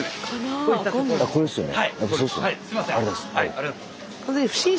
ありがとうございます。